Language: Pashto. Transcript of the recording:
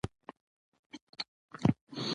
او په خپل ګردود باندې خپل غږ خپلې ژبې ته ورکړٸ